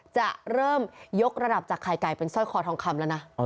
จะเริ่มยกระดับจากไข่ไก่เป็นสร้อยคอทองคำแล้วนะ